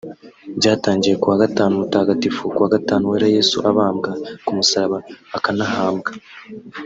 Byatangiye kuwa gatanu mutagatifu (kuwa gatanu wera) Yesu abambwa ku musaraba akanahambwa